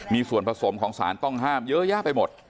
มีส่วนผสมของสารต้องห้ามเยอะแยะไปหมด